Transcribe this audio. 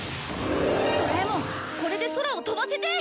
ドラえもんこれで空を飛ばせて！